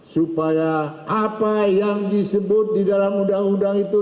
supaya apa yang disebut di dalam undang undang itu